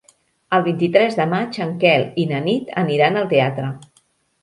El vint-i-tres de maig en Quel i na Nit aniran al teatre.